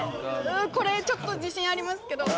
ちょっと自信ありますけど。